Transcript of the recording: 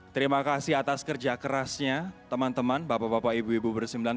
terima kasih atas kerja kerasnya teman teman bapak bapak ibu ibu bersembilan